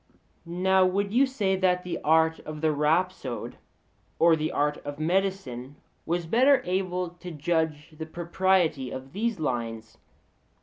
Now would you say that the art of the rhapsode or the art of medicine was better able to judge of the propriety of these lines?